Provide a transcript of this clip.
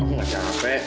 aku gak capek